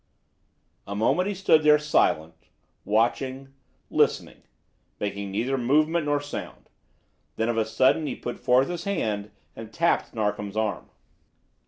A moment he stood there silent, watching, listening, making neither movement nor sound; then of a sudden he put forth his hand and tapped Narkom's arm.